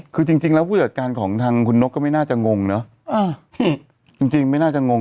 คือจริงจริงแล้วผู้จัดการของทางคุณนกก็ไม่น่าจะงงเนอะจริงจริงไม่น่าจะงง